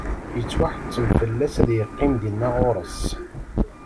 Yettwaḥettem fell-as ad yeqqim dinna ɣur-s.